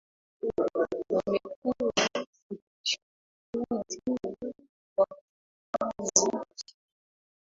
yamekuwa akishuhudia wafanyakazi wengi